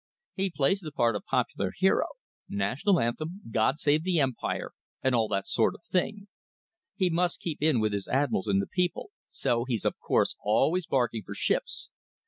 He plays the part of popular hero National Anthem, God Save the Empire, and all that sort of thing. He must keep in with his admirals and the people, so of course he's always barking for ships.